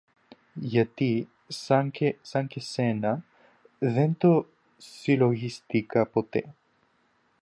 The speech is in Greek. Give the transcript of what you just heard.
Γιατί, σαν και σένα, δεν το συλλογίστηκα ποτέ.